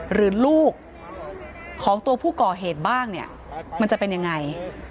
หรือลูกของตัวผู้ก่อเหตุบ้างเนี่ยมันจะเป็นยังไง